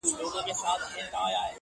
خدايه زما پر ځای ودې وطن ته بل پيدا که,